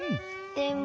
でも。